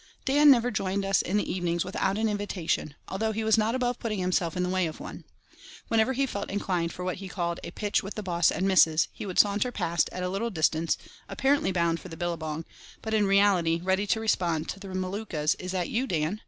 Dan never joined us in the evenings without an invitation, although he was not above putting himself in the way of one. Whenever he felt inclined for what he called "a pitch with the boss and missus" he would saunter past at a little distance, apparently bound for the billabong, but in reality ready to respond to the Maluka's "Is that you, Dan?"